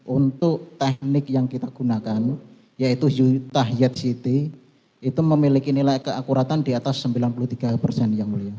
untuk teknik yang kita gunakan yaitu tahyat city itu memiliki nilai keakuratan di atas sembilan puluh tiga persen yang mulia